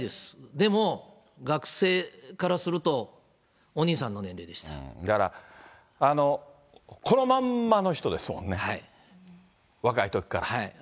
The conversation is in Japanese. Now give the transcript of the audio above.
でも学生からすると、だから、このまんまの人ですもんね、若いときから。